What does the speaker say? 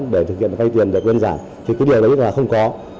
để thực hiện vây tiền được đơn giản thì cái điều đấy là không có